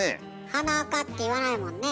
「鼻あか」って言わないもんね。